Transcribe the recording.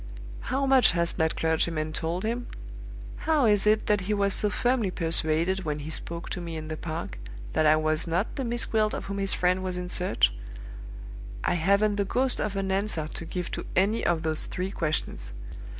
How much has that clergyman told him? How is it that he was so firmly persuaded, when he spoke to me in the park, that I was not the Miss Gwilt of whom his friend was in search? I haven't the ghost of an answer to give to any of those three questions.